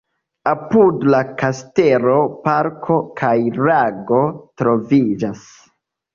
Apud la kastelo parko kaj lago troviĝas.